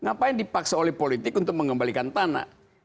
ngapain dipaksa oleh politik untuk mengembalikan tanah